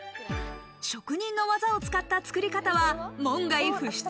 職人の技を使った作り方は門外不出。